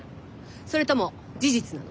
それとも事実なの？